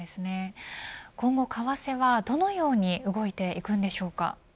今後、為替はどのように動いていくんでしょうか。